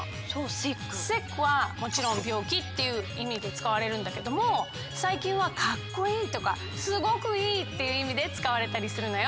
「ｓｉｃｋ」はもちろん「病気」っていういみでつかわれるんだけどもさいきんは「かっこいい」とか「すごくいい」っていういみでつかわれたりするのよ。